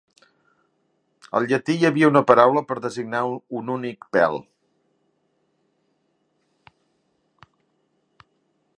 Al llatí hi havia una paraula per designar un únic pèl.